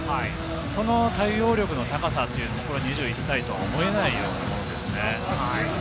その対応力の高さというところが２１歳とは思えないようなところですね。